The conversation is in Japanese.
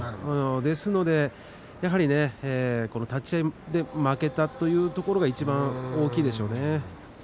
ですので、やはり立ち合いで負けたというところがいちばん大きいでしょうね。